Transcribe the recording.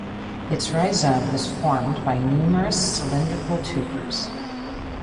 Its rhizome is formed by numerous cylindrical tubers.